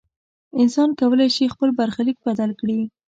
انسان کولی شي خپل برخلیک بدل کړي.